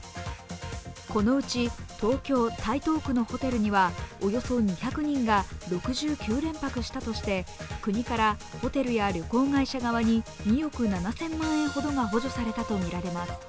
このうち東京・台東区のホテルにはおよそ２００人が６９連泊したとして国からホテルや旅行会社側に２億７０００万円ほどが補助されたとみられます。